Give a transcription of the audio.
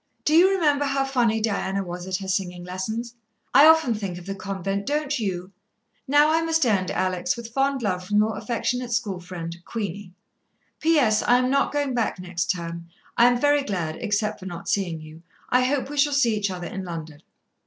Do you remember how funny Diana was at her singing lessons? I often think of the convent, don't you? Now I must end, Alex, with fond love from your affectionate school friend, "QUEENIE. "P.S. I am not going back next term. I am very glad, except for not seeing you. I hope we shall see each other in London."